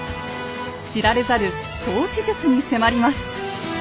知られざる統治術に迫ります。